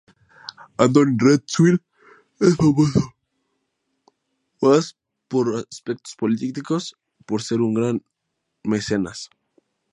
Antoni Radziwill es famoso, más que por aspectos políticos, por ser un gran mecenas.